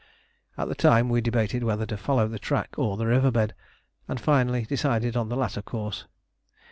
At the time we debated whether to follow the track or the river bed, and finally decided on the latter course.